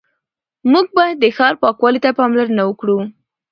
موږ باید د ښار پاکوالي ته پاملرنه وکړو